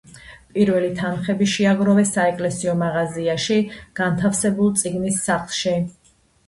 პირველი თანხები შეაგროვეს საეკლესიო მაღაზიაში განთავსებულ წიგნის სახლში.